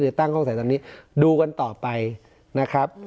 ตั้งข้อสันตามนี้ดูกันต่อไปนะครับ